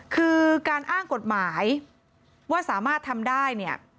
คือการอ้างกฎหมายว่าสามารถทำได้เนี่ย